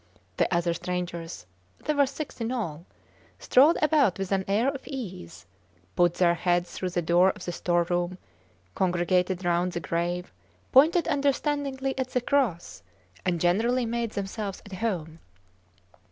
The other strangers they were six in all strolled about with an air of ease, put their heads through the door of the storeroom, congregated round the grave, pointed understandingly at the cross, and generally made themselves at home.